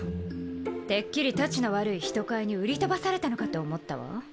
てっきりタチの悪い人買いに売り飛ばされたのかと思ったわ。